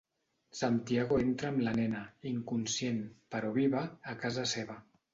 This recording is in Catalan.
Santiago entra amb la nena, inconscient, però viva, a casa seva.